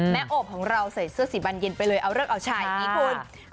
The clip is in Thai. แม้โอปของเราใส่เสื้อสีบันเย็นไปเลยเอาเลิกเอาชัยนี่คุณ